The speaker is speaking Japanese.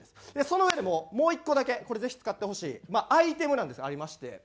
そのうえでもう１個だけこれぜひ使ってほしいアイテムなんですがありまして。